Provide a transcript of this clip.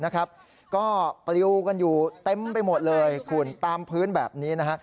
ก็ปลิวกันอยู่เต็มไปหมดเลยคุณตามพื้นแบบนี้นะฮะ